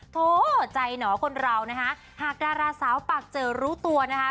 โถใจหนอคนเรานะคะหากดาราสาวปากเจอรู้ตัวนะคะ